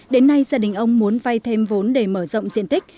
đến nay gia đình ông muốn vay thêm vốn để mở rộng diện tích